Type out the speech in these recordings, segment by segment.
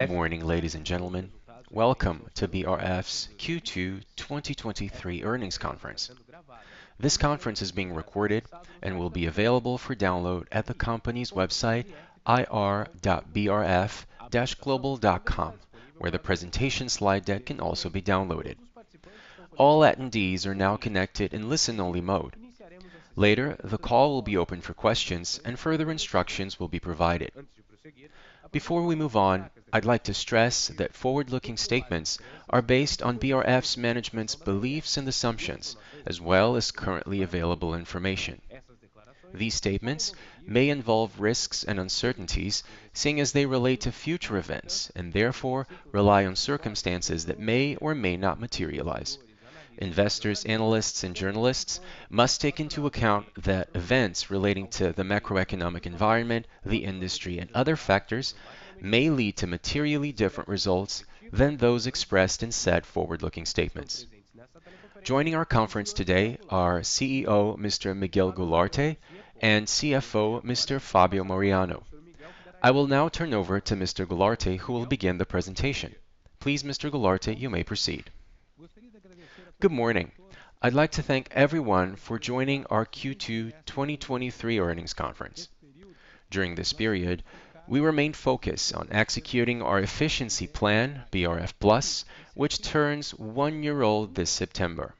Good morning, ladies and gentlemen. Welcome to BRF's Q2 2023 Earnings Conference. This conference is being recorded and will be available for download at the company's website, ir.brf-global.com, where the presentation slide deck can also be downloaded. All attendees are now connected in listen-only mode. Later, the call will be open for questions, and further instructions will be provided. Before we move on, I'd like to stress that forward-looking statements are based on BRF's management's beliefs and assumptions, as well as currently available information. These statements may involve risks and uncertainties, seeing as they relate to future events, and therefore rely on circumstances that may or may not materialize. Investors, analysts, and journalists must take into account that events relating to the macroeconomic environment, the industry, and other factors may lead to materially different results than those expressed in said forward-looking statements. Joining our conference today are CEO, Mr. Miguel Gularte, CFO, Mr. Fabio Mariano. I will now turn it over to Mr. Gularte, who will begin the presentation. Please, Mr. Gularte, you may proceed. Good morning. I'd like to thank everyone for joining our Q2 2023 Earnings Conference. During this period, we remained focused on executing our efficiency plan, BRF+, which turns one year old this September.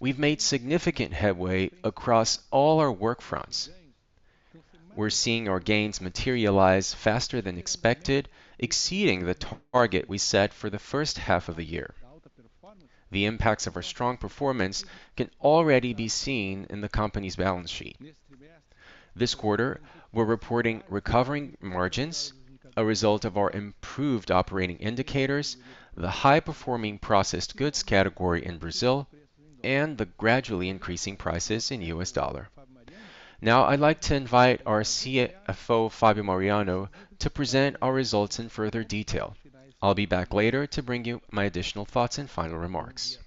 We've made significant headway across all our work fronts. We're seeing our gains materialize faster than expected, exceeding the target we set for the first half of the year. The impacts of our strong performance can already be seen in the company's balance sheet. This quarter, we're reporting recovering margins, a result of our improved operating indicators, the high-performing processed goods category in Brazil, and the gradually increasing prices in US dollar. Now, I'd like to invite our CFO, Fabio Mariano, to present our results in further detail. I'll be back later to bring you my additional thoughts and final remarks.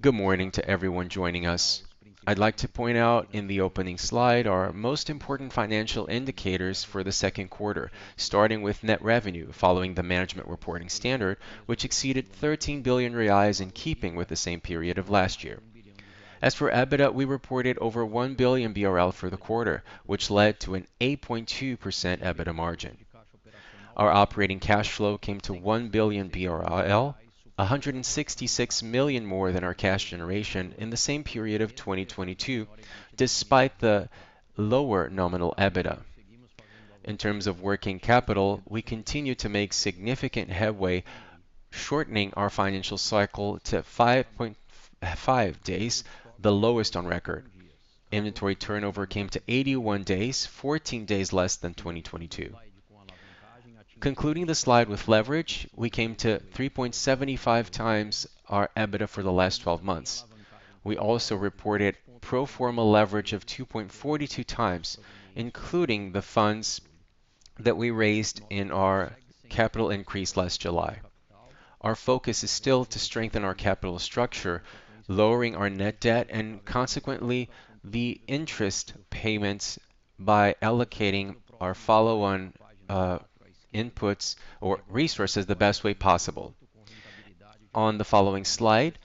Good morning to everyone joining us. I'd like to point out in the opening slide our most important financial indicators for the second quarter, starting with net revenue, following the management reporting standard, which exceeded 13 billion reais in keeping with the same period of last year. As for EBITDA, we reported over 1 billion BRL for the quarter, which led to an 8.2% EBITDA margin. Our operating cash flow came to 1 billion BRL, 166 million more than our cash generation in the same period of 2022, despite the lower nominal EBITDA. In terms of working capital, we continue to make significant headway, shortening our financial cycle to 5 days, the lowest on record. Inventory turnover came to 81 days, 14 days less than 2022. Concluding the slide with leverage, we came to 3.75x our EBITDA for the last 12 months. We also reported pro forma leverage of 2.42x, including the funds that we raised in our capital increase last July. Our focus is still to strengthen our capital structure, lowering our net debt and consequently, the interest payments by allocating our follow-on inputs or resources the best way possible. On the following slide,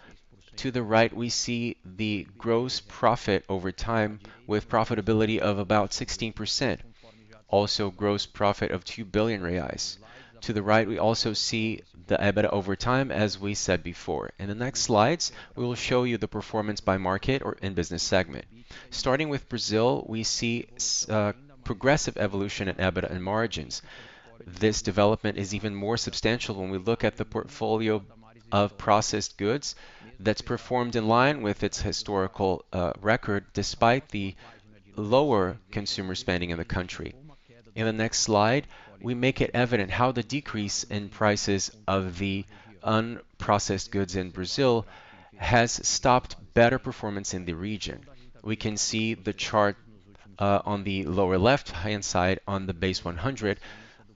to the right, we see the gross profit over time with profitability of about 16%. Also, gross profit of 2 billion reais. To the right, we also see the EBITDA over time, as we said before. In the next slides, we will show you the performance by market or in business segment. Starting with Brazil, we see progressive evolution in EBITDA and margins. This development is even more substantial when we look at the portfolio of processed goods that's performed in line with its historical record, despite the lower consumer spending in the country. In the next slide, we make it evident how the decrease in prices of the unprocessed goods in Brazil has stopped better performance in the region. We can see the chart on the lower left-hand side on the base 100,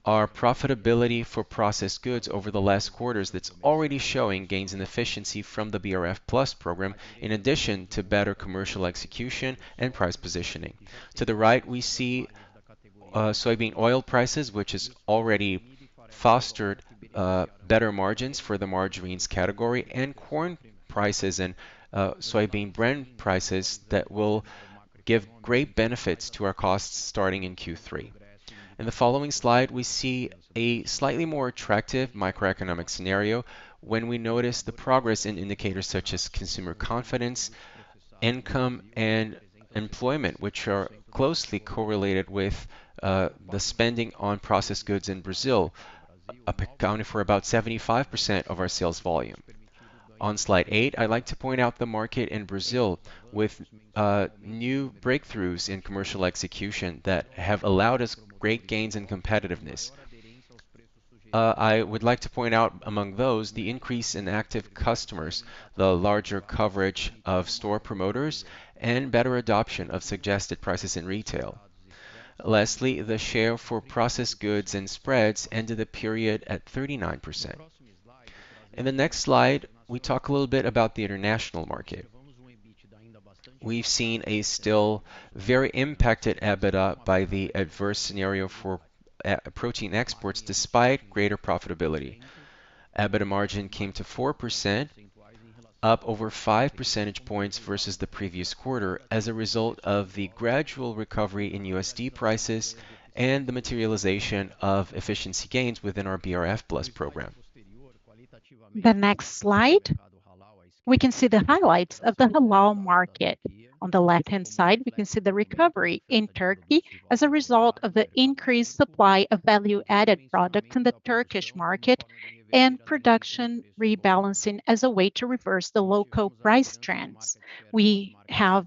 our profitability for processed goods over the last quarters that's already showing gains in efficiency from the BRF+ program, in addition to better commercial execution and price positioning. To the right, we see soybean oil prices, which has already fostered better margins for the margarines category, and corn prices and soybean brand prices that will give great benefits to our costs starting in Q3. In the following slide, we see a slightly more attractive macroeconomic scenario when we notice the progress in indicators such as consumer confidence, income, and employment, which are closely correlated with the spending on processed goods in Brazil, accounting for about 75% of our sales volume. On slide eight, I'd like to point out the market in Brazil with new breakthroughs in commercial execution that have allowed us great gains in competitiveness. I would like to point out, among those, the increase in active customers, the larger coverage of store promoters, and better adoption of suggested prices in retail. Lastly, the share for processed goods and spreads ended the period at 39%. In the next slide, we talk a little bit about the international market. We've seen a still very impacted EBITDA by the adverse scenario for protein exports, despite greater profitability. EBITDA margin came to 4%, up over 5 percentage points versus the previous quarter, as a result of the gradual recovery in USD prices and the materialization of efficiency gains within our BRF+ program. The next slide, we can see the highlights of the halal market. On the left-hand side, we can see the recovery in Turkey as a result of the increased supply of value-added products in the Turkish market, and production rebalancing as a way to reverse the local price trends. We have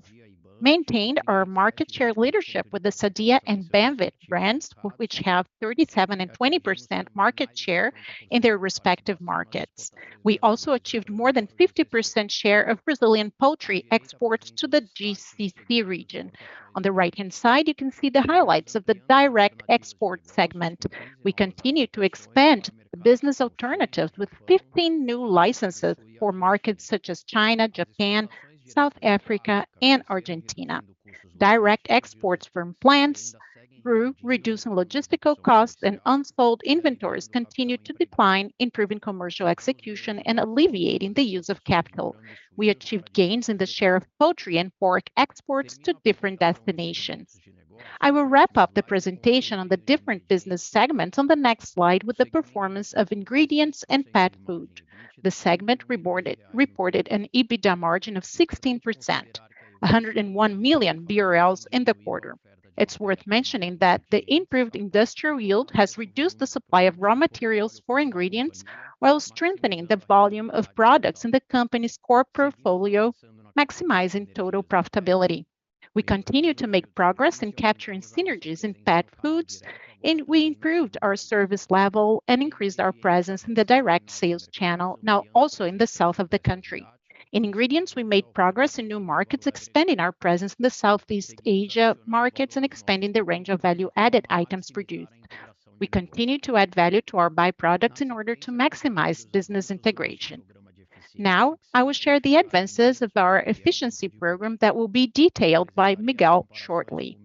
maintained our market share leadership with the Sadia and Banvit brands, which have 37 and 20% market share in their respective markets. We also achieved more than 50% share of Brazilian poultry exports to the GCC region. On the right-hand side, you can see the highlights of the direct export segment. We continue to expand the business alternatives with 15 new licenses for markets such as China, Japan, South Africa, and Argentina. Direct exports from plants through reducing logistical costs and unsold inventories continued to decline, improving commercial execution and alleviating the use of capital. We achieved gains in the share of poultry and pork exports to different destinations. I will wrap up the presentation on the different business segments on the next slide, with the performance of ingredients and pet food. The segment reported an EBITDA margin of 16%, 101 million BRL in the quarter. It's worth mentioning that the improved industrial yield has reduced the supply of raw materials for ingredients, while strengthening the volume of products in the company's core portfolio, maximizing total profitability. We continue to make progress in capturing synergies in pet foods, and we improved our service level and increased our presence in the direct sales channel, now also in the south of the country. In ingredients, we made progress in new markets, expanding our presence in the Southeast Asia markets and expanding the range of value-added items produced. We continue to add value to our byproducts in order to maximize business integration. Now, I will share the advances of our efficiency program that will be detailed by Miguel shortly.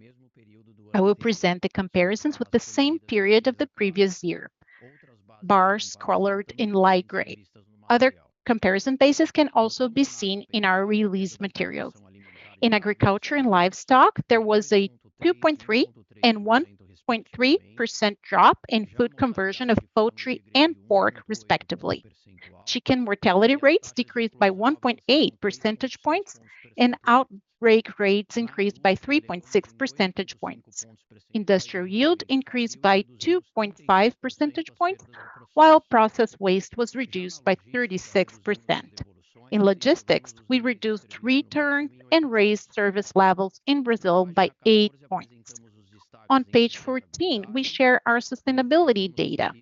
I will present the comparisons with the same period of the previous year, bars colored in light gray. Other comparison bases can also be seen in our release materials. In agriculture and livestock, there was a 2.3 and 1.3% drop in food conversion of poultry and pork, respectively. Chicken mortality rates decreased by 1.8 percentage points, and outbreak rates increased by 3.6 percentage points. Industrial yield increased by 2.5 percentage points, while processed waste was reduced by 36%. In logistics, we reduced return and raised service levels in Brazil by eight points. On page 14, we share our sustainability data.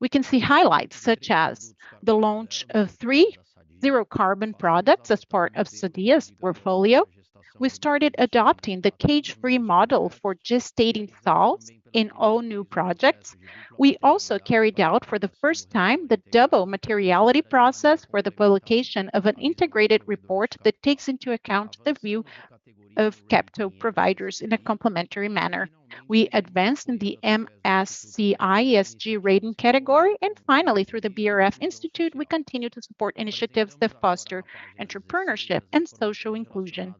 We can see highlights such as the launch of three zero-carbon products as part of Sadia's portfolio. We started adopting the cage-free model for gestating sows in all new projects. We also carried out, for the first time, the double materiality process for the publication of an integrated report that takes into account the view of capital providers in a complementary manner. We advanced in the MSCI ESG rating category. Finally, through the BRF Institute, we continue to support initiatives that foster entrepreneurship and social inclusion.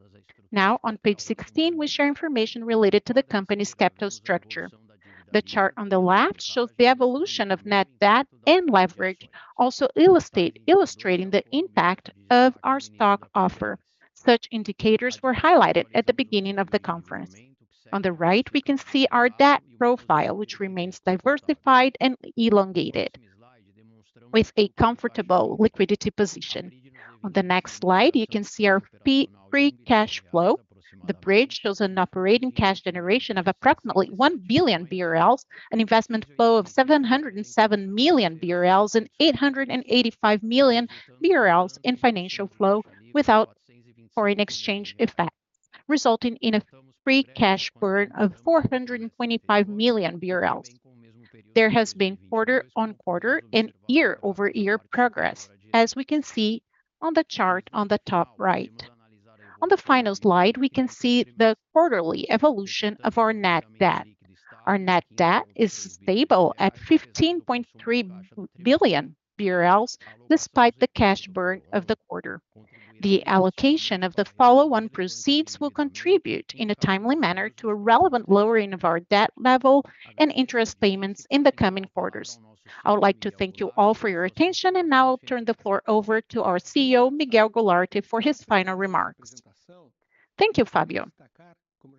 Now, on page 16, we share information related to the company's capital structure. The chart on the left shows the evolution of net debt and leverage, also illustrating the impact of our stock offer. Such indicators were highlighted at the beginning of the conference. On the right, we can see our debt profile, which remains diversified and elongated, with a comfortable liquidity position. On the next slide, you can see our free cash flow. The bridge shows an operating cash generation of approximately 1 billion BRL, an investment flow of 707 million BRL, and 885 million BRL in financial flow, without foreign exchange effects, resulting in a free cash burn of 425 million BRL. There has been quarter-on-quarter and year-over-year progress, as we can see on the chart on the top right. On the final slide, we can see the quarterly evolution of our net debt. Our net debt is stable at 15.3 billion BRL, despite the cash burn of the quarter. The allocation of the follow-on proceeds will contribute in a timely manner to a relevant lowering of our debt level and interest payments in the coming quarters. I would like to thank you all for your attention, and now I'll turn the floor over to our CEO, Miguel Gularte, for his final remarks. Thank you, Fabio.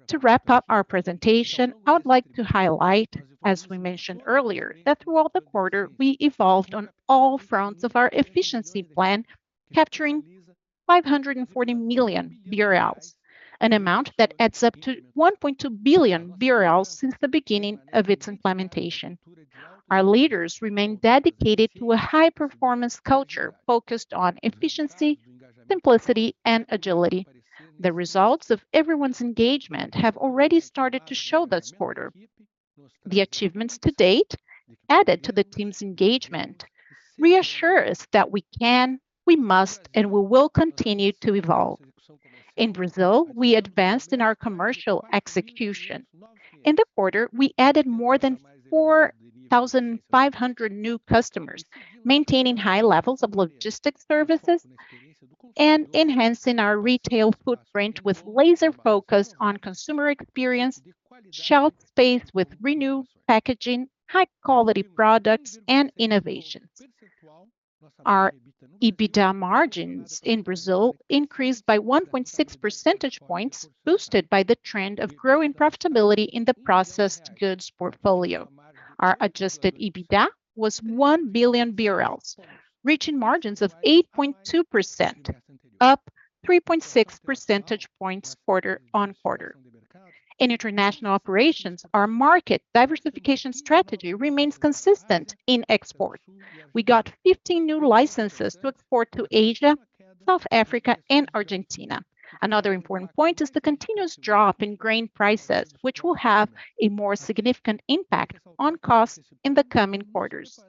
To wrap up our presentation, I would like to highlight, as we mentioned earlier, that throughout the quarter, we evolved on all fronts of our efficiency plan, capturing 540 million BRL, an amount that adds up to 1.2 billion BRL since the beginning of its implementation. Our leaders remain dedicated to a high-performance culture focused on efficiency, simplicity, and agility. The results of everyone's engagement have already started to show this quarter. The achievements to date, added to the team's engagement, reassures that we can, we must, and we will continue to evolve. In Brazil, we advanced in our commercial execution. In the quarter, we added more than 4,500 new customers, maintaining high levels of logistics services, and enhancing our retail footprint with laser focus on consumer experience, shelf space with renewed packaging, high-quality products, and innovations. Our EBITDA margins in Brazil increased by 1.6 percentage points, boosted by the trend of growing profitability in the processed goods portfolio. Our adjusted EBITDA was 1 billion BRL, reaching margins of 8.2%, up 3.6 percentage points quarter-on-quarter. In international operations, our market diversification strategy remains consistent in export. We got 15 new licenses to export to Asia, South Africa, and Argentina. Another important point is the continuous drop in grain prices, which will have a more significant impact on costs in the coming quarters.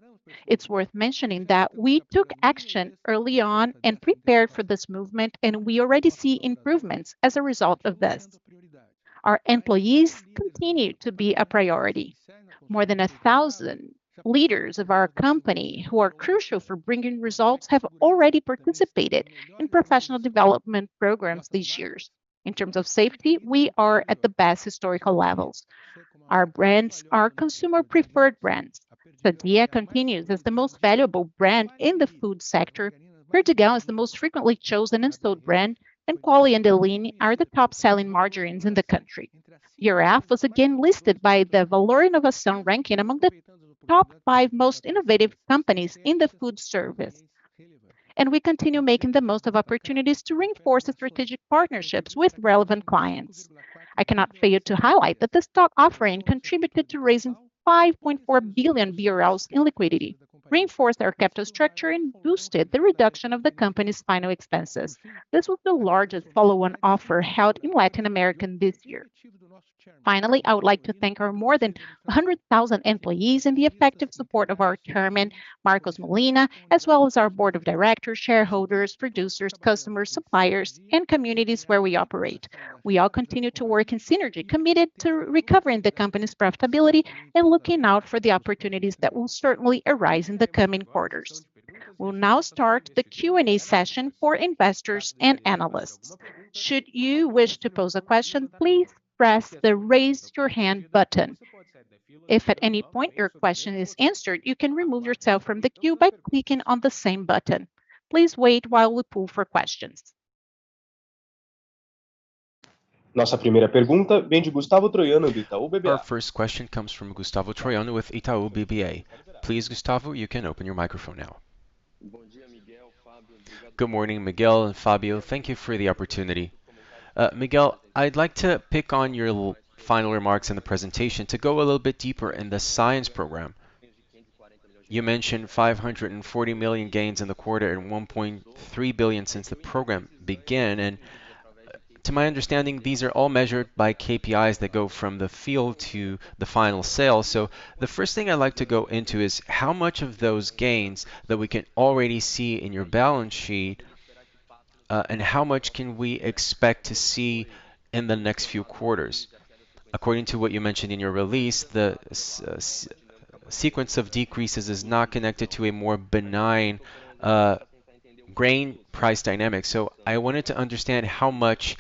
It's worth mentioning that we took action early on and prepared for this movement, and we already see improvements as a result of this. Our employees continue to be a priority. More than 1,000 leaders of our company who are crucial for bringing results have already participated in professional development programs these years. In terms of safety, we are at the best historical levels. Our brands are consumer-preferred brands. Sadia continues as the most valuable brand in the food sector, Perdigão is the most frequently chosen installed brand, and Qualy and Deline are the top-selling margarines in the country. BRF was again listed by the Valor Inovação ranking among the top five most innovative companies in the food service, and we continue making the most of opportunities to reinforce the strategic partnerships with relevant clients. I cannot fail to highlight that the stock offering contributed to raising 5.4 billion BRL in liquidity, reinforced our capital structure, and boosted the reduction of the company's final expenses. This was the largest follow-on offer held in Latin America this year. Finally, I would like to thank our more than 100,000 employees and the effective support of our chairman, Marcos Molina, as well as our board of directors, shareholders, producers, customers, suppliers, and communities where we operate. We all continue to work in synergy, committed to recovering the company's profitability and looking out for the opportunities that will certainly arise in the coming quarters. We'll now start the Q&A session for investors and analysts. Should you wish to pose a question, please press the Raise Your Hand button. If at any point your question is answered, you can remove yourself from the queue by clicking on the same button. Please wait while we poll for questions. Our first question comes from Gustavo Troyano with Itaú BBA. Please, Gustavo, you can open your microphone now. Good morning, Miguel and Fabio. Thank you for the opportunity. Miguel, I'd like to pick on your final remarks in the presentation to go a little bit deeper in the science program. You mentioned 540 million gains in the quarter and 1.3 billion since the program began, and, to my understanding, these are all measured by KPIs that go from the field to the final sale. The first thing I'd like to go into is, how much of those gains that we can already see in your balance sheet, and how much can we expect to see in the next few quarters? According to what you mentioned in your release, the sequence of decreases is not connected to a more benign, grain price dynamic. I wanted to understand how much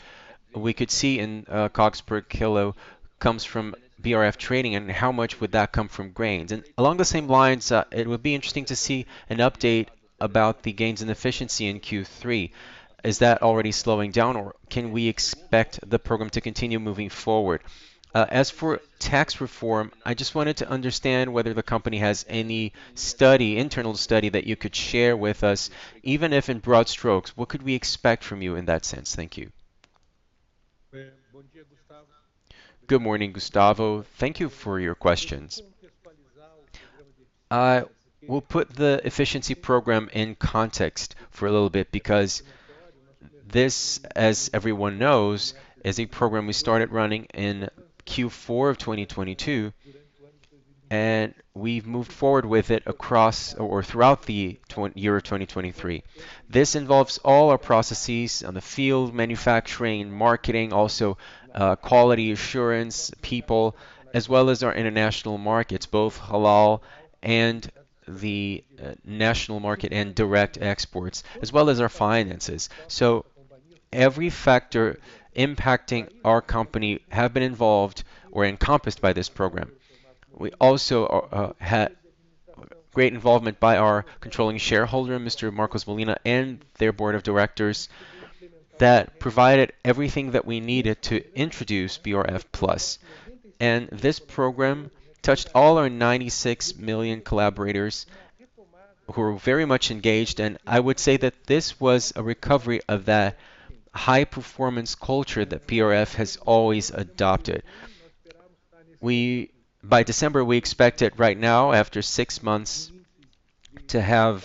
we could see in costs per kilo comes from BRF Trading, and how much would that come from grains? Along the same lines, it would be interesting to see an update about the gains in efficiency in Q3. Is that already slowing down, or can we expect the program to continue moving forward? As for tax reform, I just wanted to understand whether the company has any study, internal study, that you could share with us, even if in broad strokes. What could we expect from you in that sense? Thank you. Good morning, Gustavo. Thank you for your questions. We'll put the efficiency program in context for a little bit because this, as everyone knows, is a program we started running in Q4 of 2022, and we've moved forward with it across or throughout the year of 2023. This involves all our processes on the field, manufacturing, marketing, also, quality assurance, people, as well as our international markets, both halal and the national market and direct exports, as well as our finances. Every factor impacting our company have been involved or encompassed by this program. We also had great involvement by our controlling shareholder, Mr. Marcos Molina, and their board of directors that provided everything that we needed to introduce BRF+. This program touched all our 96 million collaborators, who are very much engaged, and I would say that this was a recovery of that high-performance culture that BRF has always adopted. By December, we expect it, right now, after six months.... to have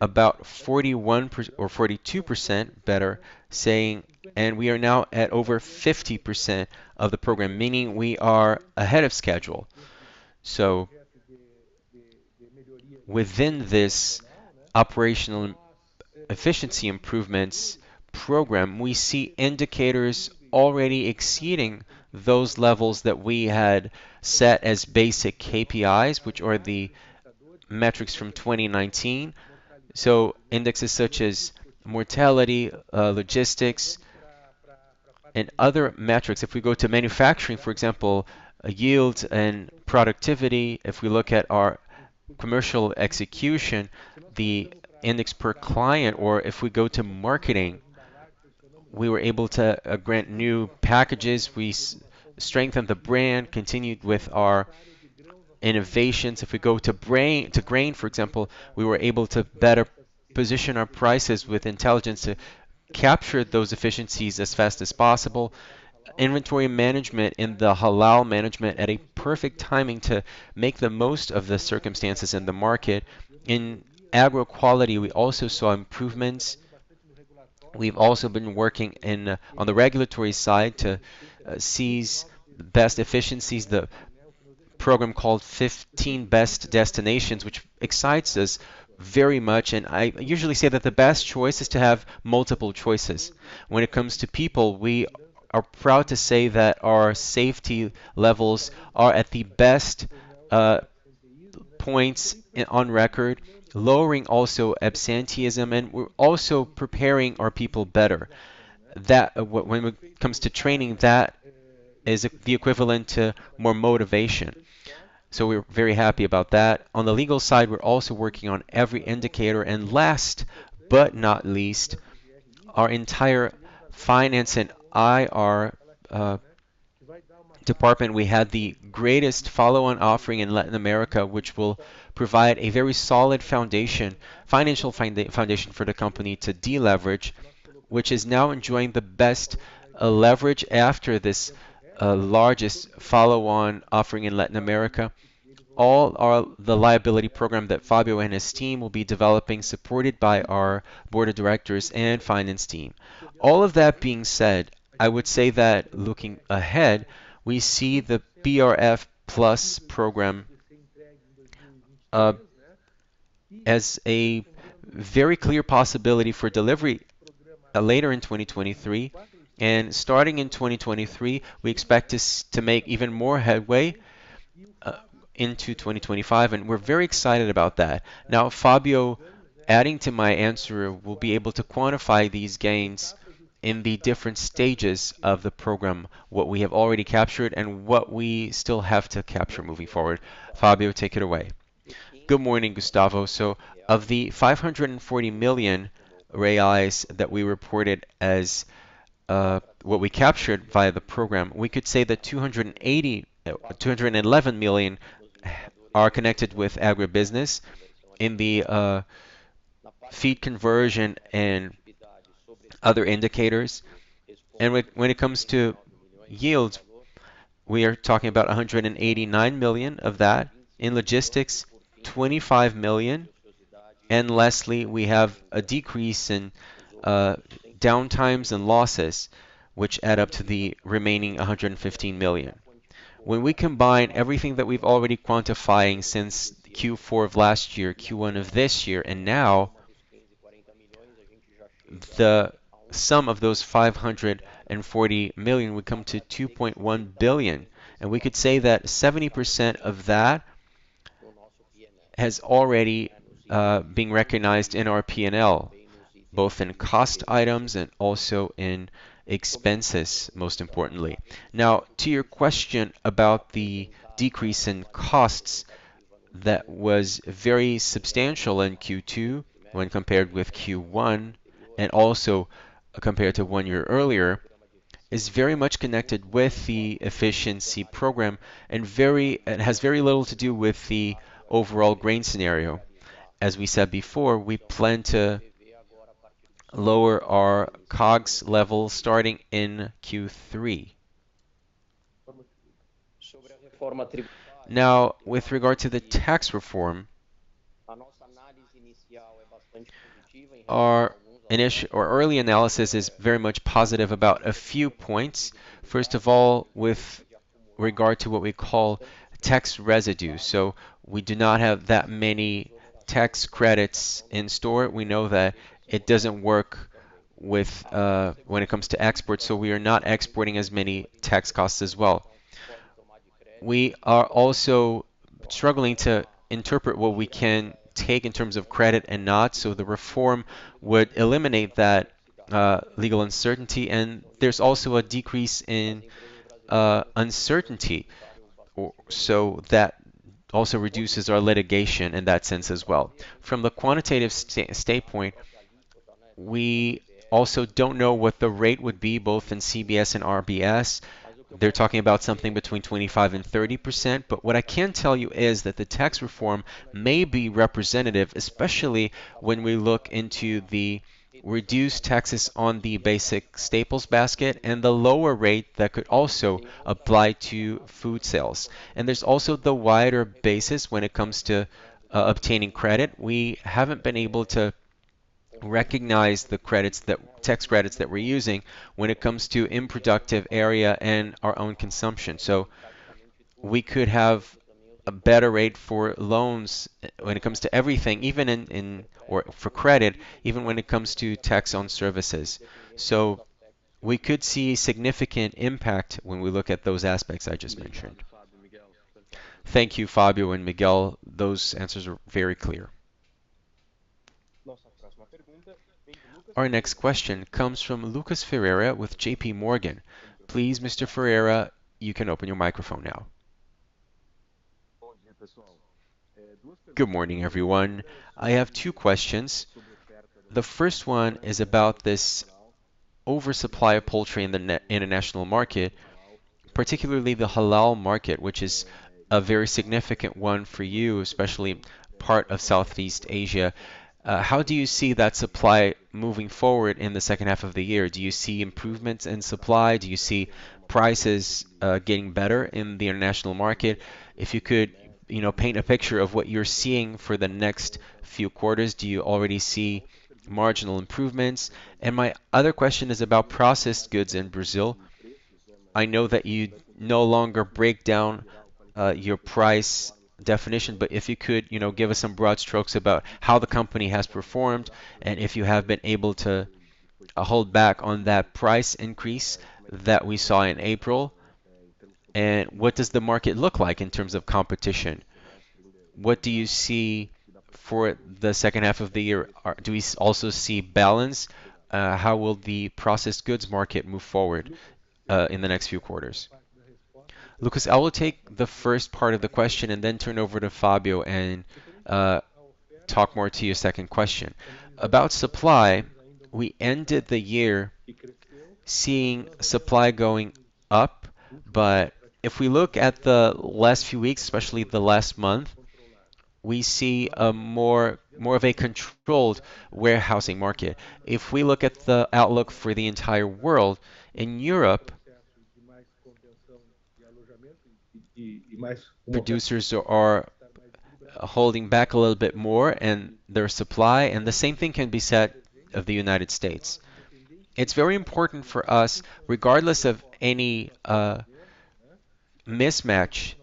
about 41% or 42% better saying, and we are now at over 50% of the program, meaning we are ahead of schedule. Within this operational efficiency improvements program, we see indicators already exceeding those levels that we had set as basic KPIs, which are the metrics from 2019. Indexes such as mortality, logistics, and other metrics. If we go to manufacturing, for example, yield and productivity, if we look at our commercial execution, the index per client, or if we go to marketing, we were able to grant new packages. We strengthened the brand, continued with our innovations. If we go to grain, for example, we were able to better position our prices with intelligence to capture those efficiencies as fast as possible. Inventory management and the halal management at a perfect timing to make the most of the circumstances in the market. In agro quality, we also saw improvements. We've also been working on the regulatory side to seize the best efficiencies, the program called 15 Best Destinations, which excites us very much, and I usually say that the best choice is to have multiple choices. When it comes to people, we are proud to say that our safety levels are at the best points on record, lowering also absenteeism, and we're also preparing our people better. That when it comes to training, that is the equivalent to more motivation, so we're very happy about that. On the legal side, we're also working on every indicator. Last but not least, our entire finance and IR department, we had the greatest follow-on offering in Latin America, which will provide a very solid foundation, financial foundation for the company to deleverage, which is now enjoying the best leverage after this largest follow-on offering in Latin America. The liability program that Fabio and his team will be developing, supported by our board of directors and finance team. All of that being said, I would say that looking ahead, we see the BRF+ program as a very clear possibility for delivery later in 2023. Starting in 2023, we expect to make even more headway into 2025, and we're very excited about that. Now, Fabio, adding to my answer, will be able to quantify these gains in the different stages of the program, what we have already captured and what we still have to capture moving forward. Fabio, take it away. Good morning, Gustavo. Of the 540 million reais that we reported as what we captured via the program, we could say that 280, 211 million are connected with agribusiness in the feed conversion and other indicators. When it comes to yields, we are talking about 189 million of that. In logistics, 25 million, and lastly, we have a decrease in downtimes and losses, which add up to the remaining 115 million. When we combine everything that we've already quantifying since Q4 of last year, Q1 of this year, and now, the sum of those 540 million would come to 2.1 billion, and we could say that 70% of that has already been recognized in our P&L, both in cost items and also in expenses, most importantly. Now, to your question about the decrease in costs, that was very substantial in Q2 when compared with Q1, and also compared to one year earlier, is very much connected with the efficiency program and it has very little to do with the overall grain scenario. As we said before, we plan to lower our COGS levels starting in Q3. Now, with regard to the tax reform, Our early analysis is very much positive about a few points. First of all, with regard to what we call tax residue. We do not have that many tax credits in store. We know that it doesn't work with, when it comes to exports, so we are not exporting as many tax costs as well. We are also struggling to interpret what we can take in terms of credit and not, so the reform would eliminate that legal uncertainty, and there's also a decrease in uncertainty. That also reduces our litigation in that sense as well. From the quantitative standpoint, we also don't know what the rate would be, both in CBS and IBS. They're talking about something between 25%-30%, but what I can tell you is that the tax reform may be representative, especially when we look into the reduced taxes on the basic staples basket and the lower rate that could also apply to food sales. There's also the wider basis when it comes to obtaining credit. We haven't been able to recognize the credits that, tax credits that we're using when it comes to unproductive area and our own consumption. We could have a better rate for loans when it comes to everything, even in, in, or for credit, even when it comes to tax on services. We could see significant impact when we look at those aspects I just mentioned. Thank you, Fabio and Miguel. Those answers are very clear. Our next question comes from Lucas Ferreira with J.P. Morgan. Please, Mr. Ferreira, you can open your microphone now. Good morning, everyone. I have 2 questions. The first one is about this oversupply of poultry in the international market, particularly the halal market, which is a very significant one for you, especially part of Southeast Asia. How do you see that supply moving forward in the second half of the year? Do you see improvements in supply? Do you see prices getting better in the international market? If you could, you know, paint a picture of what you're seeing for the next few quarters, do you already see marginal improvements? My other question is about processed goods in Brazil. I know that you no longer break down, your price definition, but if you could, you know, give us some broad strokes about how the company has performed, and if you have been able to hold back on that price increase that we saw in April. What does the market look like in terms of competition? What do you see for the second half of the year? Do we also see balance? How will the processed goods market move forward, in the next few quarters? Lucas, I will take the first part of the question and then turn over to Fabio and talk more to your second question. About supply, we ended the year seeing supply going up, but if we look at the last few weeks, especially the last month, we see a more, more of a controlled warehousing market. If we look at the outlook for the entire world, in Europe, producers are holding back a little bit more in their supply, and the same thing can be said of the United States. It's very important for us, regardless of any mismatch,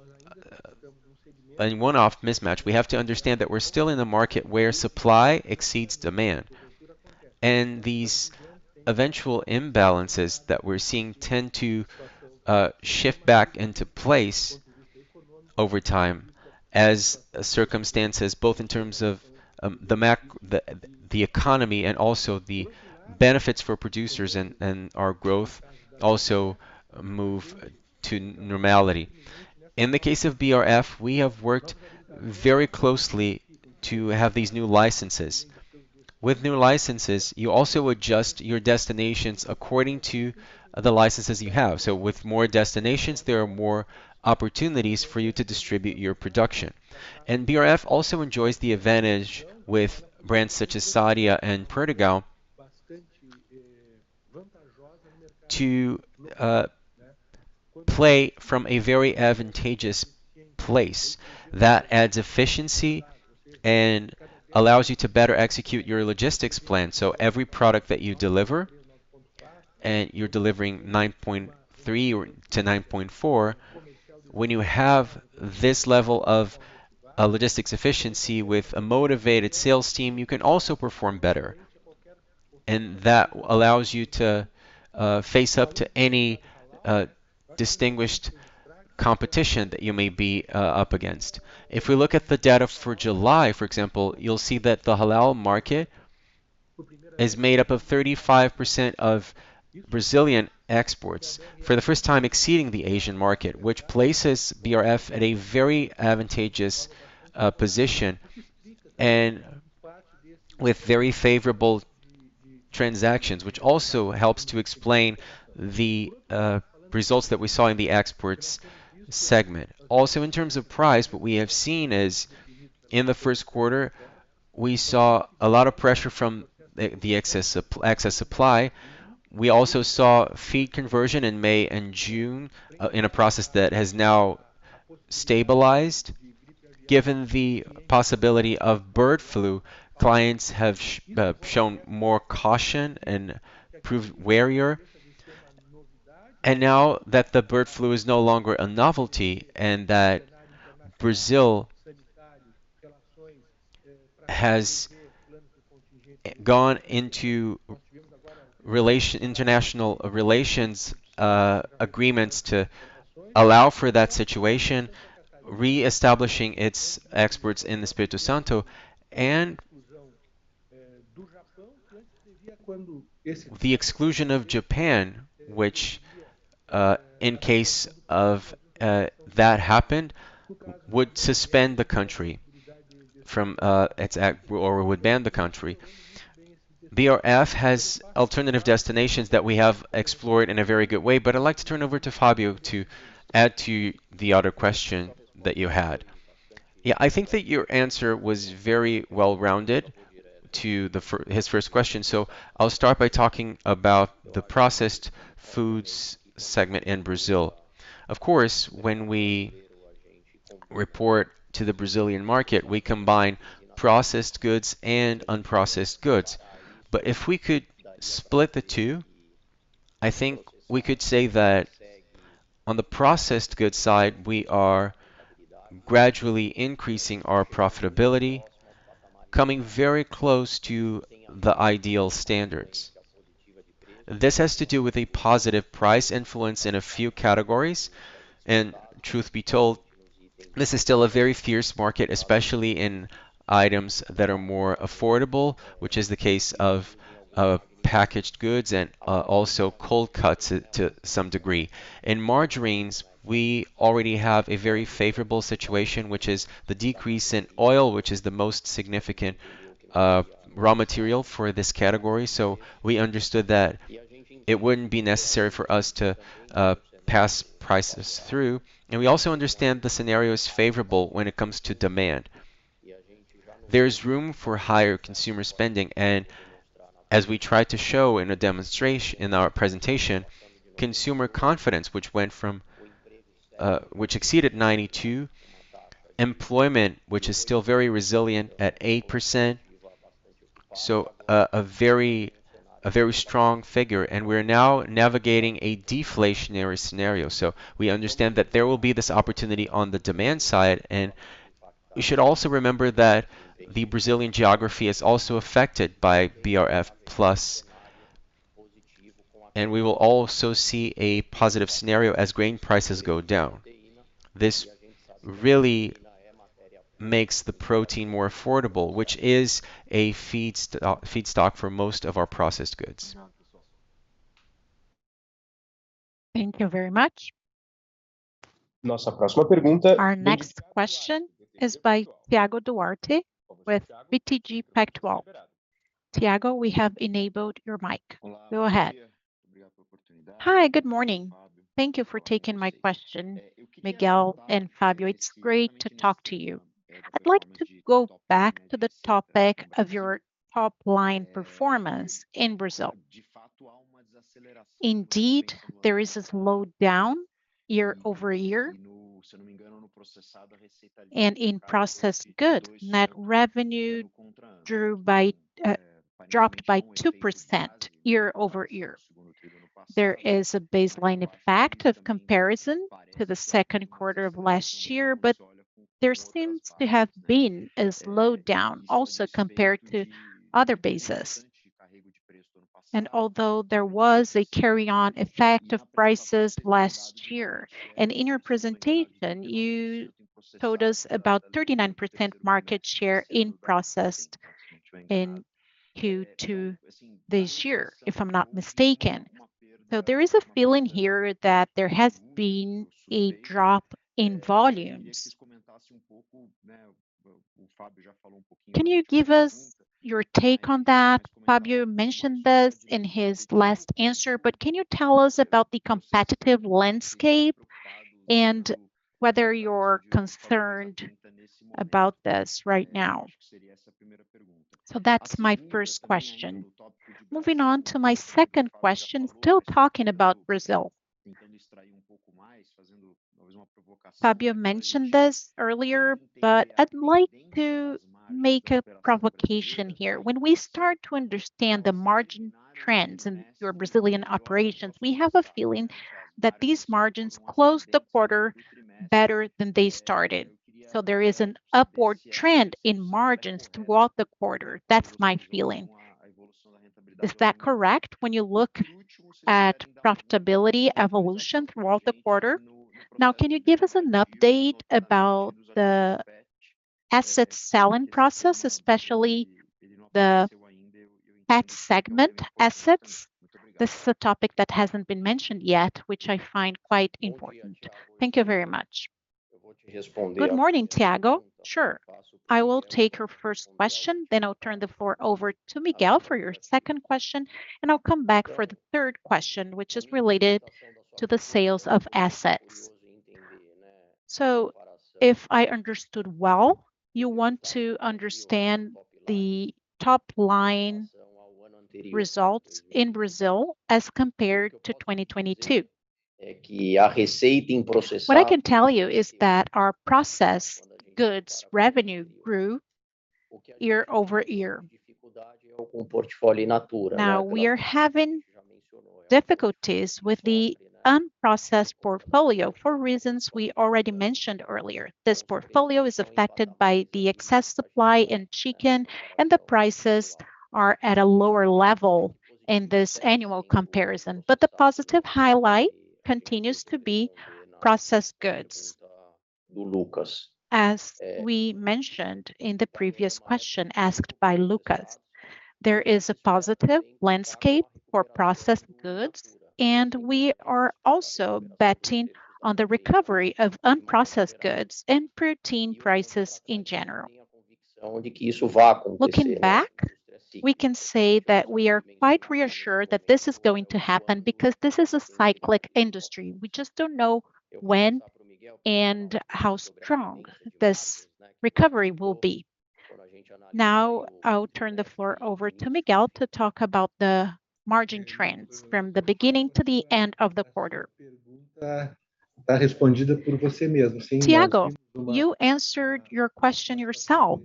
any one-off mismatch, we have to understand that we're still in a market where supply exceeds demand. These eventual imbalances that we're seeing tend to shift back into place over time as circumstances, both in terms of the economy and also the benefits for producers and our growth also move to normality. In the case of BRF, we have worked very closely to have these new licenses. With new licenses, you also adjust your destinations according to the licenses you have. With more destinations, there are more opportunities for you to distribute your production. BRF also enjoys the advantage with brands such as Sadia and Perdigão to play from a very advantageous place. That adds efficiency and allows you to better execute your logistics plan. Every product that you deliver, and you're delivering 9.3 or to 9.4, when you have this level of logistics efficiency with a motivated sales team, you can also perform better, and that allows you to face up to any distinguished competition that you may be up against. If we look at the data for July, for example, you'll see that the halal market is made up of 35% of Brazilian exports, for the 1st time exceeding the Asian market, which places BRF at a very advantageous position and with very favorable transactions, which also helps to explain the results that we saw in the exports segment. In terms of price, what we have seen is in the 1st quarter, we saw a lot of pressure from the excess sup- excess supply. We also saw feed conversion in May and June in a process that has now stabilized. Given the possibility of avian influenza, clients have sh, shown more caution and proved warier. Now that the avian influenza is no longer a novelty and that Brazil has gone into relation, international relations, agreements to allow for that situation, reestablishing its exports in the Espírito Santo and the exclusion of Japan, which, in case of, that happened, would suspend the country from, or would ban the country. BRF has alternative destinations that we have explored in a very good way. I'd like to turn over to Fabio to add to the other question that you had. I think that your answer was very well-rounded to his first question, so I'll start by talking about the processed foods segment in Brazil. Of course, when we- report to the Brazilian market, we combine processed goods and unprocessed goods. If we could split the two, I think we could say that on the processed goods side, we are gradually increasing our profitability, coming very close to the ideal standards. This has to do with a positive price influence in a few categories, and truth be told, this is still a very fierce market, especially in items that are more affordable, which is the case of packaged goods and also cold cuts to, to some degree. In margarines, we already have a very favorable situation, which is the decrease in oil, which is the most significant raw material for this category. We understood that it wouldn't be necessary for us to pass prices through, and we also understand the scenario is favorable when it comes to demand. There's room for higher consumer spending, and as we tried to show in a demonstrat- in our presentation, consumer confidence, which went from which exceeded 92, employment, which is still very resilient at 8%, so a very, a very strong figure. We're now navigating a deflationary scenario. We understand that there will be this opportunity on the demand side, and we should also remember that the Brazilian geography is also affected by BRF+, and we will also see a positive scenario as grain prices go down. This really makes the protein more affordable, which is a feedst... feedstock for most of our processed goods. Thank you very much. Our next question is by Thiago Duarte with BTG Pactual. Thiago, we have enabled your mic. Go ahead. Hi, good morning. Thank you for taking my question, Miguel and Fabio. It's great to talk to you. I'd like to go back to the topic of your top-line performance in Brazil. Indeed, there is a slowdown year-over-year, and in processed goods, net revenue drew by, dropped by 2% year-over-year. There is a baseline effect of comparison to the second quarter of last year, but there seems to have been a slowdown also compared to other bases, and although there was a carry-on effect of prices last year. In your presentation, you told us about 39% market share in processed in Q2 this year, if I'm not mistaken. There is a feeling here that there has been a drop in volumes. Can you give us your take on that? Fabio mentioned this in his last answer, but can you tell us about the competitive landscape and whether you're concerned about this right now? That's my first question. Moving on to my second question, still talking about Brazil. Fabio mentioned this earlier, but I'd like to make a provocation here. When we start to understand the margin trends in your Brazilian operations, we have a feeling that these margins closed the quarter better than they started, so there is an upward trend in margins throughout the quarter. That's my feeling. Is that correct, when you look at profitability evolution throughout the quarter? Now, can you give us an update about the asset selling process, especially the pet segment assets? This is a topic that hasn't been mentioned yet, which I find quite important. Thank you very much. Good morning, Thiago. Sure, I will take your first question, then I'll turn the floor over to Miguel for your second question, and I'll come back for the third question, which is related to the sales of assets. If I understood well, you want to understand the top-line results in Brazil as compared to 2022. What I can tell you is that our processed goods revenue grew year-over-year. Now, we are having difficulties with the unprocessed portfolio for reasons we already mentioned earlier. This portfolio is affected by the excess supply in chicken, and the prices are at a lower level in this annual comparison. The positive highlight continues to be processed goods. As we mentioned in the previous question asked by Lucas, there is a positive landscape for processed goods. We are also betting on the recovery of unprocessed goods and protein prices in general. Looking back, we can say that we are quite reassured that this is going to happen because this is a cyclic industry. We just don't know when and how strong this recovery will be. Now, I'll turn the floor over to Miguel to talk about the margin trends from the beginning to the end of the quarter. Thiago, you answered your question yourself.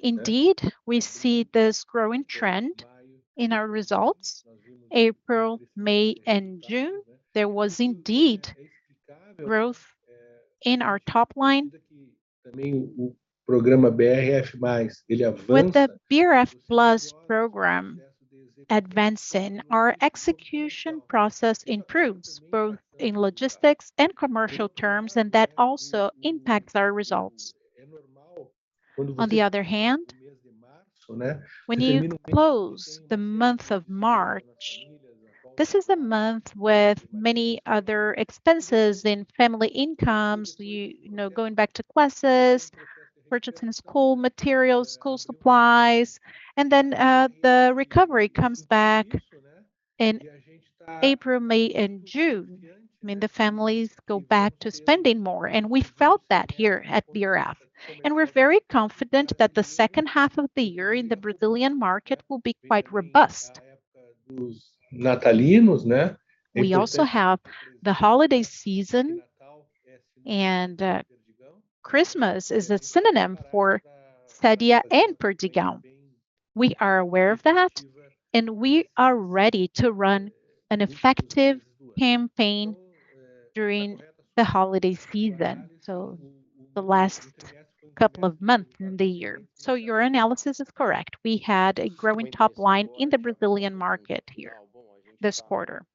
Indeed, we see this growing trend in our results. April, May, and June, there was indeed growth in our top line. With the BRF+ program advancing, our execution process improves, both in logistics and commercial terms, and that also impacts our results. On the other hand, when you close the month of March, this is a month with many other expenses in family incomes. We, you know, going back to classes, purchasing school materials, school supplies, then the recovery comes back in April, May, and June, when the families go back to spending more, and we felt that here at BRF. We're very confident that the second half of the year in the Brazilian market will be quite robust. We also have the holiday season, and Christmas is a synonym for Sadia and Perdigão. We are aware of that, and we are ready to run an effective campaign during the holiday season, so the last couple of months in the year. Your analysis is correct. We had a growing top line in the Brazilian market here this quarter.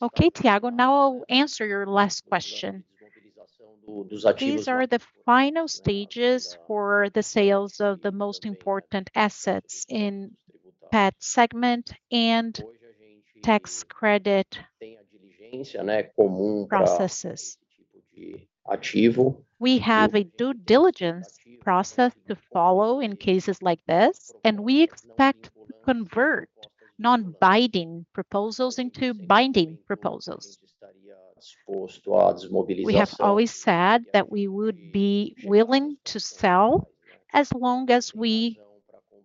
Okay, Thiago, now I'll answer your last question. These are the final stages for the sales of the most important assets in pet segment and tax credit processes. We have a due diligence process to follow in cases like this, and we expect to convert non-binding proposals into binding proposals. We have always said that we would be willing to sell, as long as we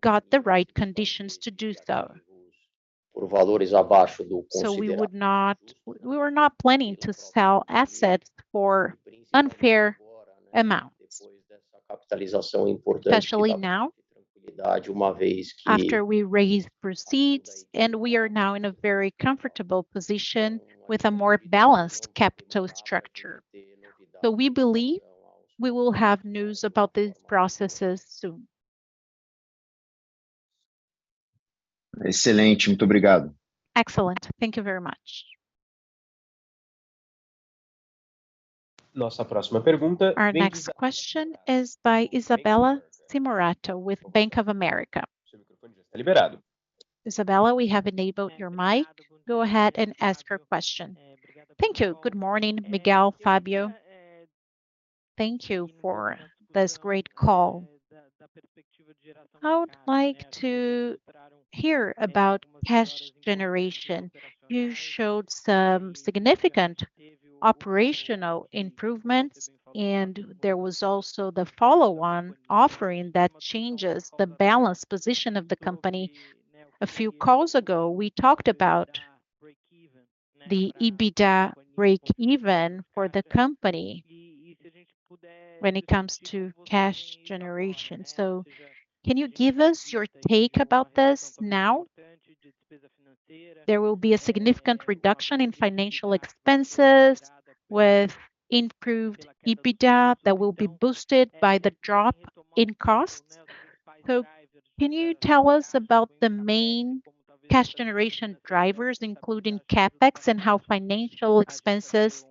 got the right conditions to do so. We would not, we were not planning to sell assets for unfair amounts, especially now, after we raised proceeds, and we are now in a very comfortable position with a more balanced capital structure. We believe we will have news about these processes soon. Excellent. Thank you very much. Our next question is by Isabella Simionato with Bank of America. Isabella, we have enabled your mic. Go ahead and ask your question. Thank you. Good morning, Miguel, Fabio. Thank you for this great call. I would like to hear about cash generation. You showed some significant operational improvements, and there was also the follow-on offering that changes the balance position of the company. A few calls ago, we talked about the EBITDA break even for the company when it comes to cash generation. Can you give us your take about this now? There will be a significant reduction in financial expenses with improved EBITDA that will be boosted by the drop in costs. Can you tell us about the main cash generation drivers, including CapEx, and how financial expenses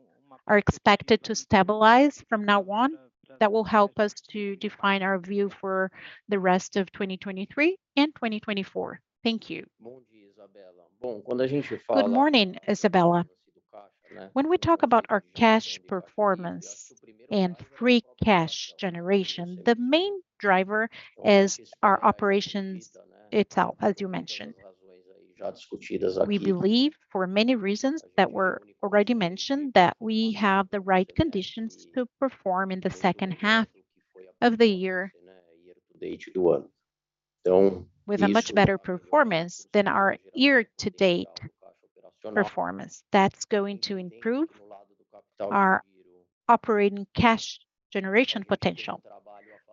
are expected to stabilize from now on? That will help us to define our view for the rest of 2023 and 2024. Thank you. Good morning, Isabella. When we talk about our cash performance and free cash generation, the main driver is our operations itself, as you mentioned. We believe, for many reasons that were already mentioned, that we have the right conditions to perform in the second half of the year with a much better performance than our year-to-date performance. That's going to improve our operating cash generation potential.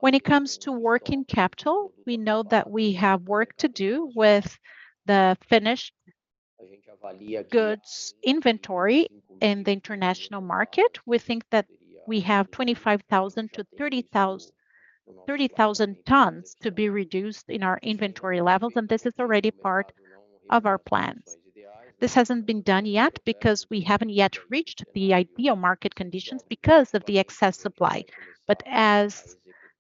When it comes to working capital, we know that we have work to do with the finished goods inventory in the international market. We think that we have 25,000 to 30,000 tons to be reduced in our inventory levels, and this is already part of our plans. This hasn't been done yet, because we haven't yet reached the ideal market conditions because of the excess supply. But as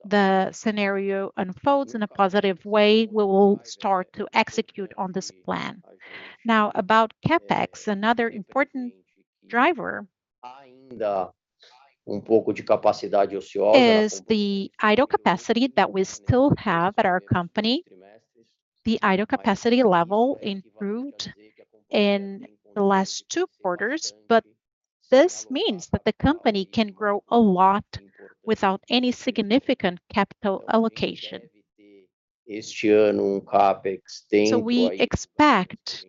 the scenario unfolds in a positive way, we will start to execute on this plan. Now, about CapEx, another important driver is the idle capacity that we still have at our company.... The idle capacity level improved in the last two quarters. This means that the company can grow a lot without any significant capital allocation. We expect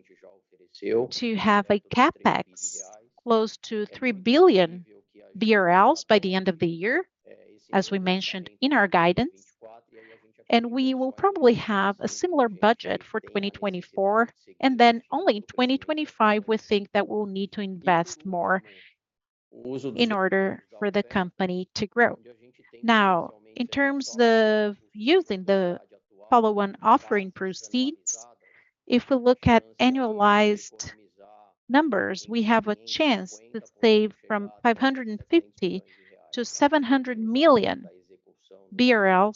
to have a CapEx close to 3 billion BRL by the end of the year, as we mentioned in our guidance. We will probably have a similar budget for 2024. Then only in 2025 we think that we'll need to invest more in order for the company to grow. In terms of using the follow-on offering proceeds, if we look at annualized numbers, we have a chance to save from 550 million-700 million BRL,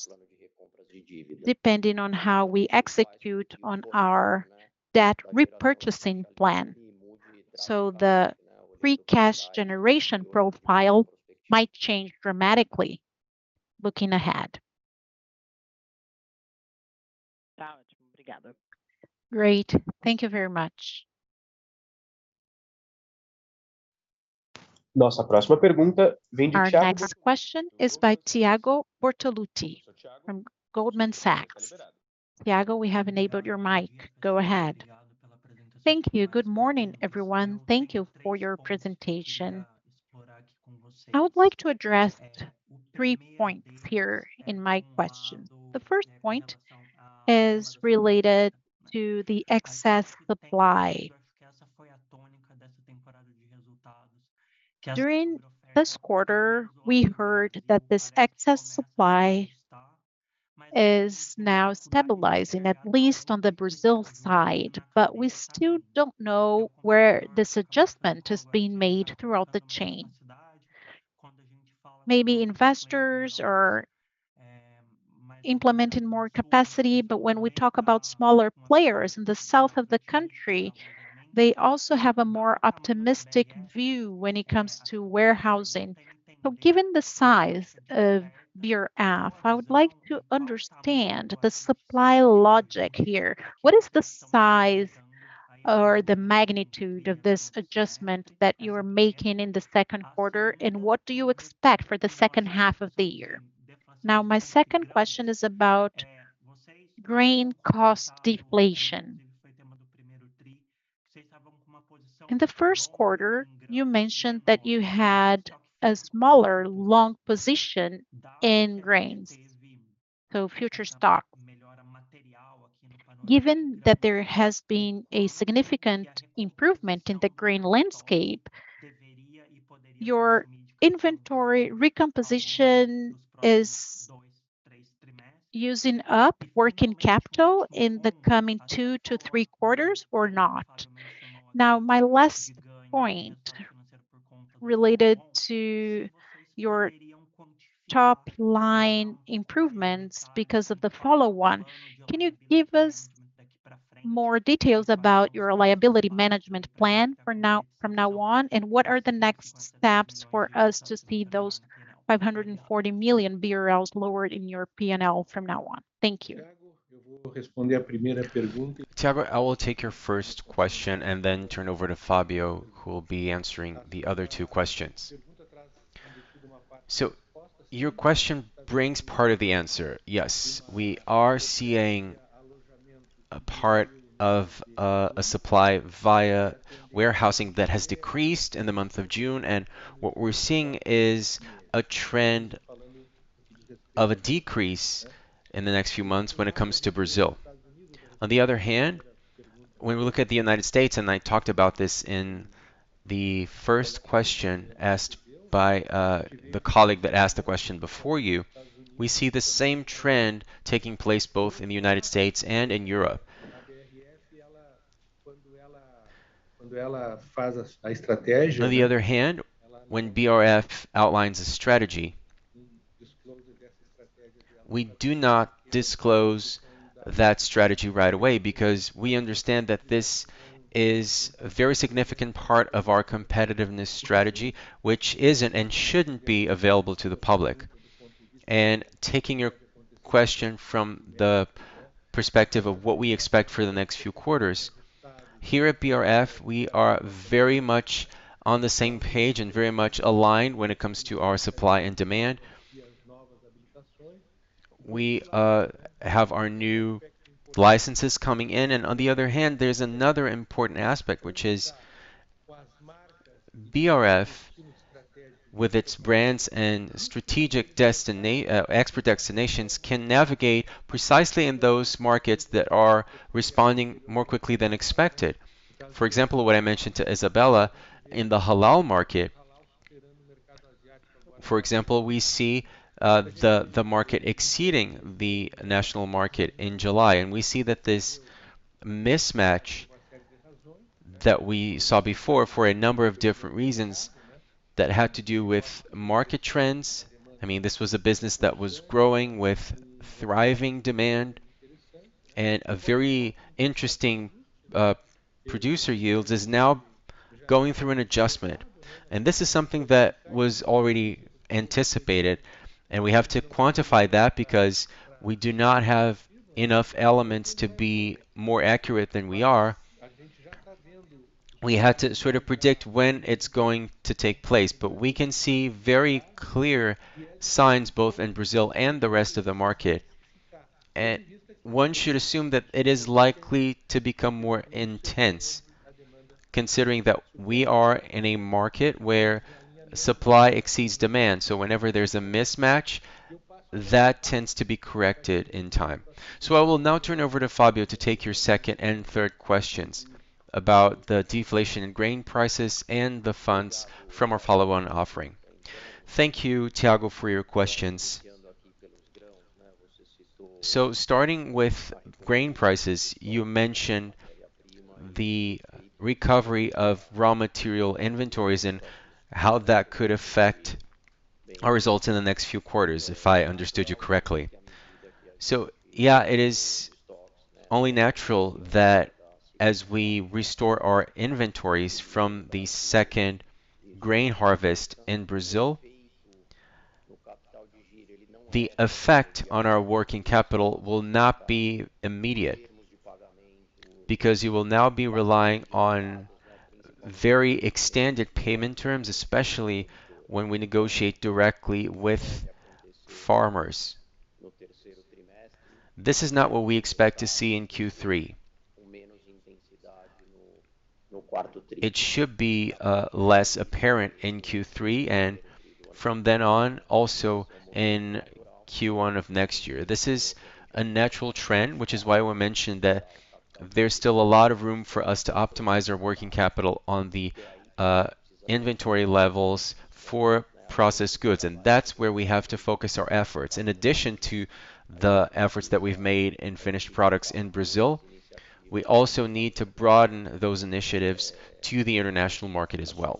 depending on how we execute on our debt repurchasing plan. The free cash generation profile might change dramatically looking ahead. Great. Thank you very much. Our next question is by Thiago Bortolotti from Goldman Sachs. Thiago, we have enabled your mic. Go ahead. Thank you. Good morning, everyone. Thank you for your presentation. I would like to address three points here in my question. The first point is related to the excess supply. During this quarter, we heard that this excess supply is now stabilizing, at least on the Brazil side, but we still don't know where this adjustment is being made throughout the chain. Maybe investors are implementing more capacity, but when we talk about smaller players in the south of the country, they also have a more optimistic view when it comes to warehousing. Given the size of BRF, I would like to understand the supply logic here. What is the size or the magnitude of this adjustment that you are making in the second quarter, and what do you expect for the second half of the year? My second question is about grain cost deflation. In the first quarter, you mentioned that you had a smaller long position in grains, so future stock. Given that there has been a significant improvement in the grain landscape, your inventory recomposition is using up working capital in the coming 2 to 3 quarters or not? My last point related to your top-line improvements because of the follow-on, can you give us more details about your liability management plan from now on, and what are the next steps for us to see those 540 million BRL lowered in your P&L from now on? Thank you. Thiago, I will take your first question and then turn over to Fabio, who will be answering the other two questions. Your question brings part of the answer. Yes, we are seeing a part of a supply via warehousing that has decreased in the month of June, and what we're seeing is a trend of a decrease in the next few months when it comes to Brazil. On the other hand, when we look at the United States, and I talked about this in the first question asked by the colleague that asked the question before you, we see the same trend taking place both in the United States and in Europe. On the other hand, when BRF outlines a strategy, we do not disclose that strategy right away because we understand that this is a very significant part of our competitiveness strategy, which isn't and shouldn't be available to the public. Taking your question from the perspective of what we expect for the next few quarters, here at BRF, we are very much on the same page and very much aligned when it comes to our supply and demand. We have our new licenses coming in, and on the other hand, there's another important aspect, which is BRF, with its brands and strategic export destinations, can navigate precisely in those markets that are responding more quickly than expected. For example, what I mentioned to Isabella in the halal market. For example, we see the market exceeding the national market in July. We see that this mismatch that we saw before for a number of different reasons that had to do with market trends, I mean, this was a business that was growing with thriving demand and a very interesting producer yields, is now going through an adjustment, and this is something that was already anticipated, and we have to quantify that because we do not have enough elements to be more accurate than we are. We had to sort of predict when it's going to take place, but we can see very clear signs, both in Brazil and the rest of the market. One should assume that it is likely to become more intense, considering that we are in a market where supply exceeds demand. Whenever there's a mismatch, that tends to be corrected in time. I will now turn over to Fabio to take your second and third questions about the deflation in grain prices and the funds from our follow-on offering. Thank you, Thiago, for your questions. Starting with grain prices, you mentioned the recovery of raw material inventories and how that could affect our results in the next few quarters, if I understood you correctly. Yeah, it is only natural that as we restore our inventories from the second grain harvest in Brazil, the effect on our working capital will not be immediate, because you will now be relying on very extended payment terms, especially when we negotiate directly with farmers. This is not what we expect to see in Q3. It should be less apparent in Q3, and from then on, also in Q1 of next year. This is a natural trend, which is why I will mention that there's still a lot of room for us to optimize our working capital on the inventory levels for processed goods, and that's where we have to focus our efforts. In addition to the efforts that we've made in finished products in Brazil, we also need to broaden those initiatives to the international market as well.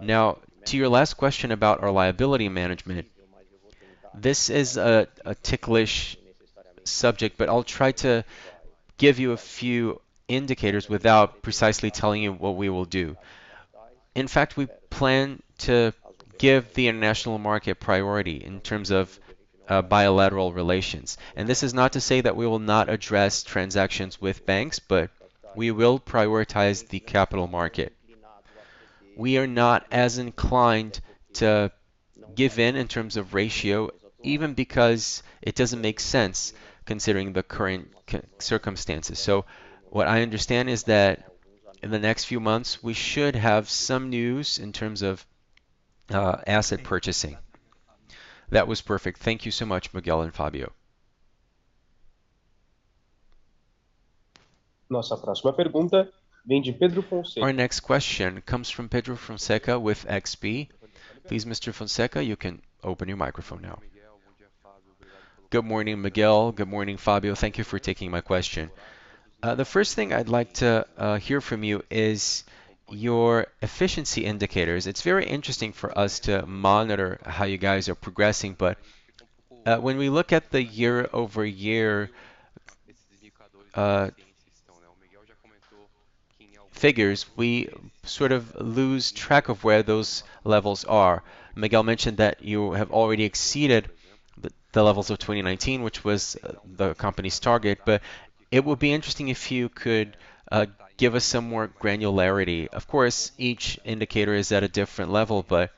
Now, to your last question about our liability management, this is a ticklish subject, but I'll try to give you a few indicators without precisely telling you what we will do. In fact, we plan to give the international market priority in terms of bilateral relations, and this is not to say that we will not address transactions with banks, but we will prioritize the capital market. We are not as inclined to give in, in terms of ratio, even because it doesn't make sense considering the current circumstances. What I understand is that in the next few months, we should have some news in terms of asset purchasing. That was perfect. Thank you so much, Miguel and Fabio. Our next question comes from Pedro Fonseca with XP. Please, Mr. Fonseca, you can open your microphone now. Good morning, Miguel. Good morning, Fabio. Thank you for taking my question. The first thing I'd like to hear from you is your efficiency indicators. It's very interesting for us to monitor how you guys are progressing, but when we look at the year-over-year figures, we sort of lose track of where those levels are. Miguel mentioned that you have already exceeded the, the levels of 2019, which was the company's target, but it would be interesting if you could give us some more granularity. Of course, each indicator is at a different level, but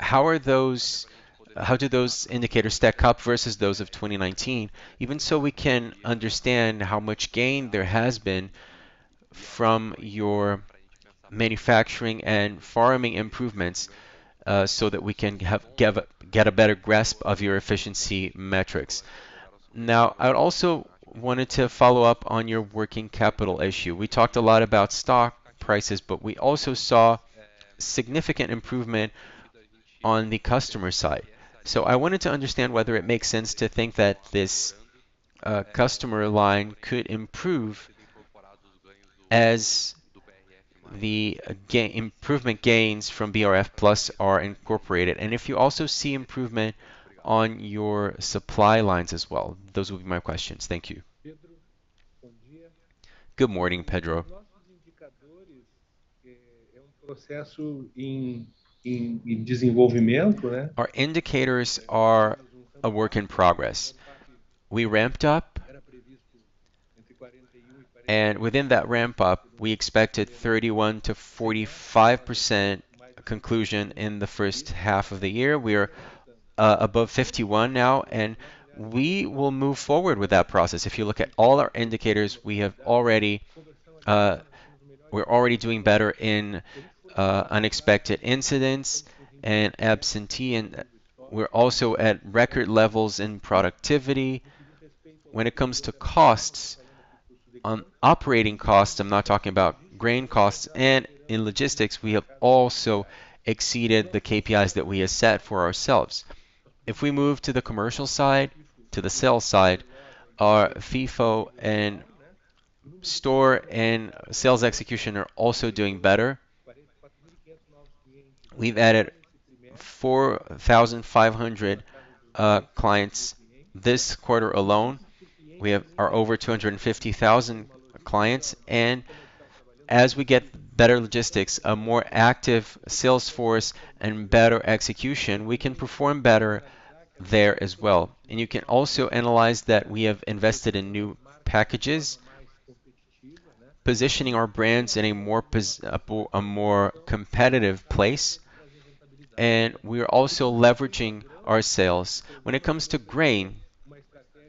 how do those indicators stack up versus those of 2019? Even so we can understand how much gain there has been from your manufacturing and farming improvements, so that we can get a better grasp of your efficiency metrics. I'd also wanted to follow up on your working capital issue. We talked a lot about stock prices, but we also saw significant improvement on the customer side. I wanted to understand whether it makes sense to think that this customer line could improve as the improvement gains from BRF+ are incorporated, and if you also see improvement on your supply lines as well. Those would be my questions. Thank you. Good morning, Pedro. Our indicators are a work in progress. We ramped up, and within that ramp up, we expected 31%-45% conclusion in the first half of the year. We're above 51 now, and we will move forward with that process. If you look at all our indicators, we have already, we're already doing better in unexpected incidents and absentee, and we're also at record levels in productivity. When it comes to costs, on operating costs, I'm not talking about grain costs and in logistics, we have also exceeded the KPIs that we have set for ourselves. If we move to the commercial side, to the sales side, our FIFO and store and sales execution are also doing better. We've added 4,500 clients this quarter alone. We have, are over 250,000 clients, and as we get better logistics, a more active sales force, and better execution, we can perform better there as well. And you can also analyze that we have invested in new packages, positioning our brands in a more competitive place, and we are also leveraging our sales. When it comes to grain,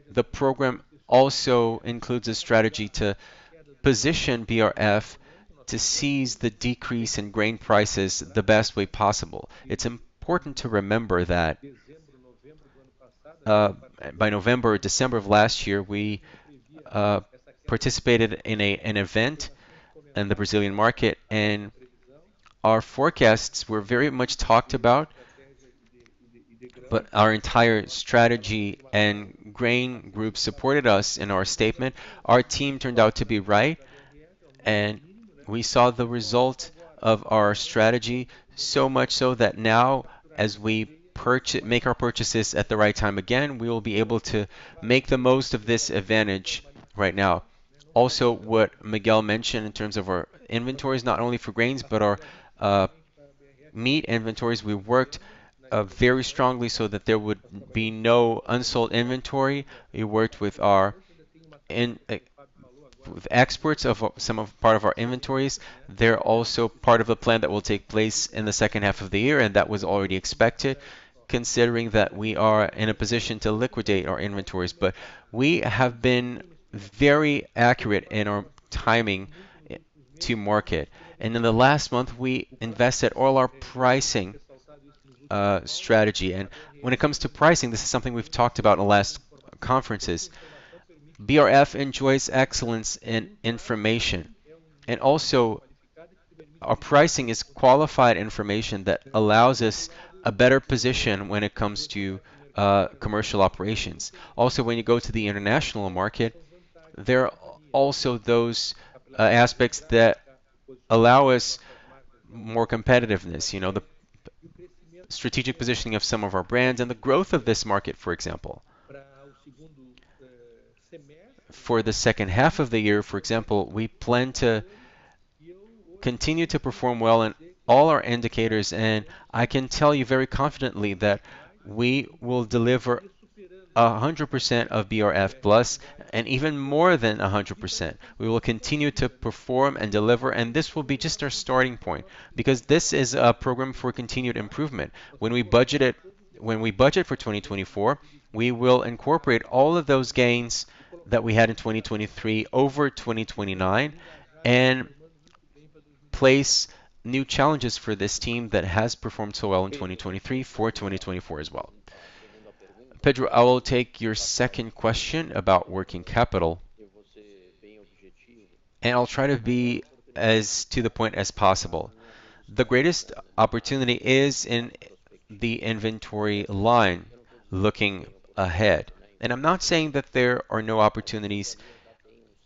the program also includes a strategy to position BRF to seize the decrease in grain prices the best way possible. It's important to remember that, by November or December of last year, we participated in a, an event in the Brazilian market, and our forecasts were very much talked about, but our entire strategy and grain group supported us in our statement. Our team turned out to be right, and we saw the result of our strategy, so much so that now as we make our purchases at the right time again, we will be able to make the most of this advantage right now. Also, what Miguel mentioned in terms of our inventories, not only for grains, but our meat inventories, we worked very strongly so that there would be no unsold inventory. We worked with exports of some of, part of our inventories. They're also part of a plan that will take place in the second half of the year, that was already expected, considering that we are in a position to liquidate our inventories. We have been very accurate in our timing to market, and in the last month, we invested all our pricing strategy. When it comes to pricing, this is something we've talked about in the last conferences. BRF enjoys excellence in information, and also our pricing is qualified information that allows us a better position when it comes to commercial operations. When you go to the international market, there are also those aspects that allow us more competitiveness, you know, the, the strategic positioning of some of our brands and the growth of this market, for example. For the second half of the year, for example, we plan to continue to perform well in all our indicators, and I can tell you very confidently that we will deliver 100% of BRF+, and even more than 100%. We will continue to perform and deliver, and this will be just our starting point, because this is a program for continued improvement. When we budget for 2024, we will incorporate all of those gains that we had in 2023 over 2029, and place new challenges for this team that has performed so well in 2023 for 2024 as well. Pedro, I will take your second question about working capital, and I'll try to be as to the point as possible. The greatest opportunity is in the inventory line, looking ahead, and I'm not saying that there are no opportunities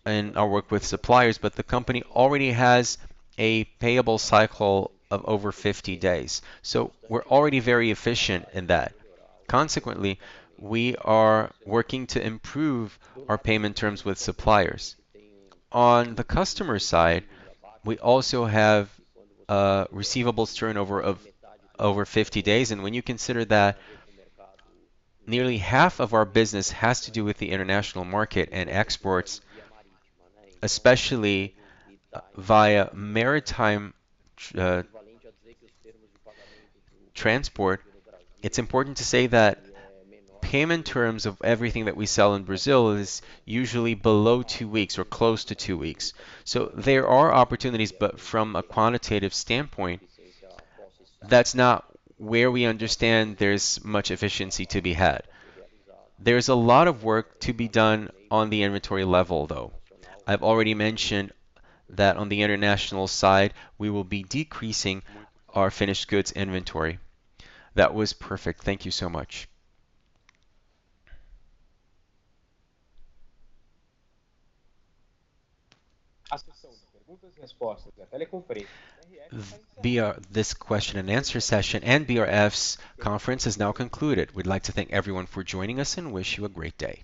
in our work with suppliers, but the company already has a payable cycle of over 50 days, so we're already very efficient in that. Consequently, we are working to improve our payment terms with suppliers. On the customer side, we also have a receivables turnover of over 50 days, and when you consider that nearly half of our business has to do with the international market and exports, especially via maritime transport, it's important to say that payment terms of everything that we sell in Brazil is usually below two weeks or close to two weeks. There are opportunities, but from a quantitative standpoint, that's not where we understand there's much efficiency to be had. There's a lot of work to be done on the inventory level, though. I've already mentioned that on the international side, we will be decreasing our finished goods inventory. That was perfect. Thank you so much. This question and answer session and BRF's conference is now concluded. We'd like to thank everyone for joining us and wish you a great day.